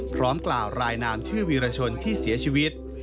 พร้อมกล่าวรายนามชื่อวีรชนที่เสียชีวิต